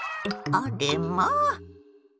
あれまあ！